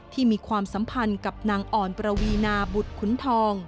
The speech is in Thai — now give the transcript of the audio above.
มีความสัมพันธ์กับนางอ่อนประวีนาบุตรขุนทอง